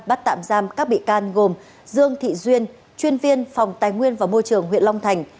bắt tạm giam các bị can gồm dương thị duyên chuyên viên phòng tài nguyên và môi trường huyện long thành